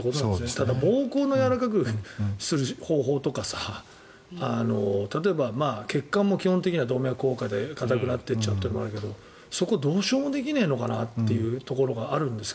ただ膀胱をやわらかくする方法とか例えば、血管も基本的には動脈硬化で硬くなっていくけどそこをどうしようもできねえのかなというところがあるんですが。